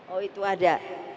oh itu ada